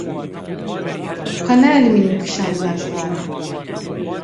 Xwe neelîmînin kişandina cixaran.